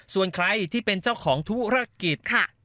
ส่วนใครที่เป็นเจ้าของธุรกิจ